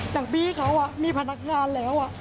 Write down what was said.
อย่างพี่เขามีพนักงานแล้ว